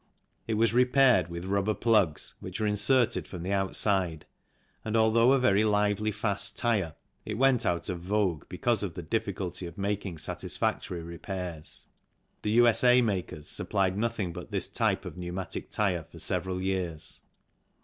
It was repaired with rubber plugs which were inserted from the outside, and although a very lively fast tyre, it went out of vogue because of the difficulty of making satisfactory repairs. The U.S.A. makers supplied nothing but this type of pneumatic tyre for several years.